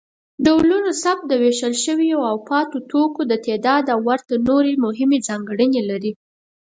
ډولونوثبت، د ویشل شویو او پاتې توکو تعداد او ورته نورې مهمې ځانګړنې لري.